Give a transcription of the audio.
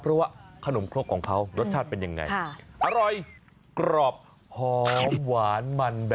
เพราะว่าขนมครกของเขารสชาติเป็นยังไงอร่อยกรอบหอมหวานมัน